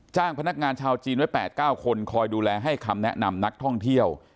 พนักงานชาวจีนไว้๘๙คนคอยดูแลให้คำแนะนำนักท่องเที่ยว